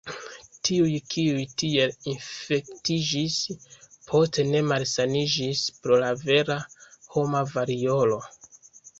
Tiuj, kiuj tiel infektiĝis, poste ne malsaniĝis pro la vera homa variolo.